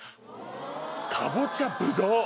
「かぼちゃ」「ぶどう」。